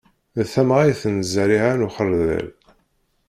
D tamɛayt n zerriɛa n uxeṛdel.